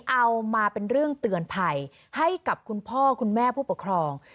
เอามาเป็นเรื่องเตือนภัยให้กับคุณพ่อคุณแม่ผู้ปกครอง